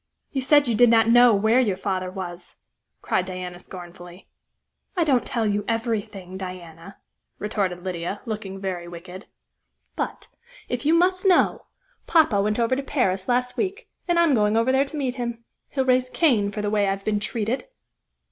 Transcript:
"You said you did not know where your father was!" cried Diana scornfully. "I don't tell you everything, Diana," retorted Lydia, looking very wicked, "but, if you must know, poppa went over to Paris last week, and I'm going over there to meet him. He'll raise Cain for the way I've been treated."